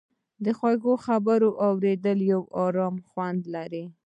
د خوږې خبرې اورېدل یو ارامه خوند لري.